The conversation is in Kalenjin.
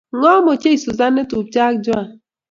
Ngom ochei Susan netupcho ago Juan